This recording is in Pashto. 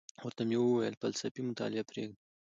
ورته ومي ویل فلسفي مطالعه پریږده،